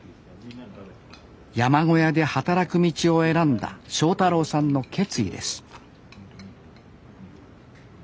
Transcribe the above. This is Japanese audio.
山小屋で働く道を選んだ正太郎さんの決意です